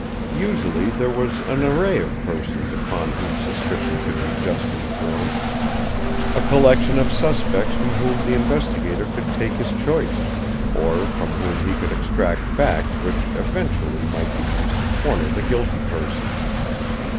Usually there was an array of persons upon whom suspicion could be justly thrown; a collection of suspects from whom the investigator could take his choice, or from whom he could extract facts which eventually might be used to corner the guilty person.